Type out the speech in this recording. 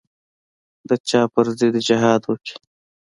د چا پر ضد دې جهاد وکي.